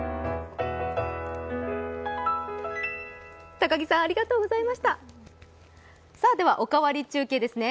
高木さん、ありがとうございました「おかわり中継」ですね